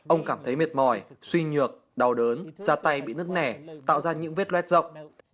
ông cảm thấy mệt mỏi suy nhược đau đớn ra tay bị nứt nẻ tạo ra những vết luet rộng